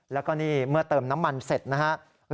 แล้วก็นี่เมื่อเติมน้ำมันเสร็จนะครับ